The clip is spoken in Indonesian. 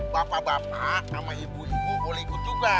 bapak bapak sama ibu ibu boleh ikut juga